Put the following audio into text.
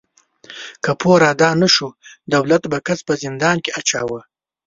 که پور ادا نهشو، دولت به کس په زندان کې اچاوه.